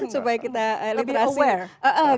supaya kita lebih aware